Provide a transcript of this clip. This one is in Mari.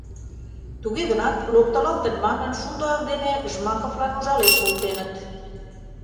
Туге гынат, локтылалтын манын, шулдо ак дене Жмаковлан ужален колтеныт.